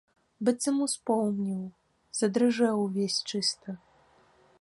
Быццам успомніў, задрыжэў увесь чыста.